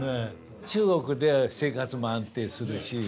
中国で生活も安定するし。